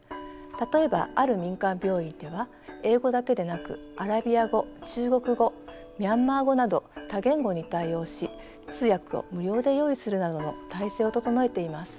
例えばある民間病院では英語だけでなくアラビア語中国語ミャンマー語など多言語に対応し通訳を無料で用意するなどの体制を整えています。